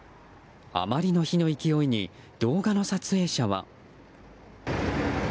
あまりの火の勢いに動画の撮影者は。